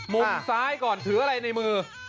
มุมซ้ายก่อนถืออะไรในมือ